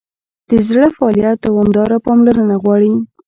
د زړه فعالیت دوامداره پاملرنه غواړي.